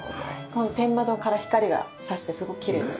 この天窓から光が差してすごくきれいです。